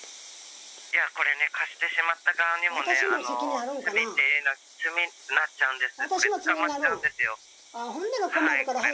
いや、これね、貸してしまった側にもね。罪になっちゃうんです。